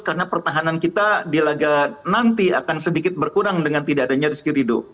karena pertahanan kita di laga nanti akan sedikit berkurang dengan tidak adanya rizki ridho